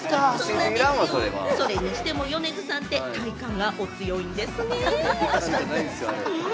それにしても米津さんって、体幹がお強いんですね。